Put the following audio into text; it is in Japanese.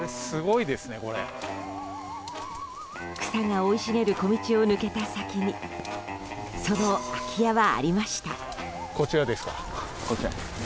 草が生い茂る小道を抜けた先にその空き家はありました。